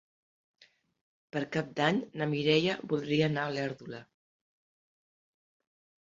Per Cap d'Any na Mireia voldria anar a Olèrdola.